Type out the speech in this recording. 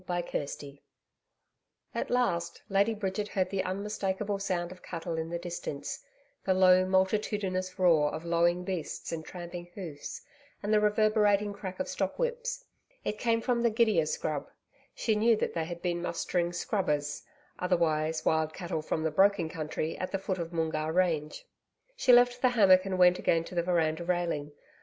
CHAPTER 9 At last, Lady Bridget heard the unmistakable sound of cattle in the distance the low, multitudinous roar of lowing beasts and tramping hoofs and the reverberating crack of stock whips. It came from the gidia scrub. She knew that they had been mustering SCRUBBERS otherwise, wild cattle from the broken country at the foot of Moongarr Range. She left the hammock and went again to the veranda railing.